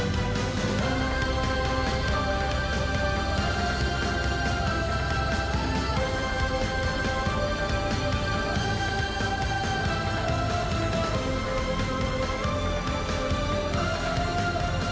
โปรดติดตามตอนต่อไป